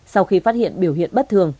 sau khi phát hiện biểu hiện bất thường